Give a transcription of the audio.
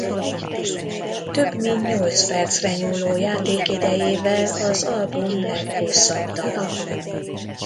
Több mint nyolc percre nyúló játékidejével az album leghosszabb dala.